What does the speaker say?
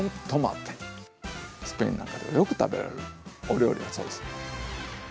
スペインなんかではよく食べられるお料理だそうです。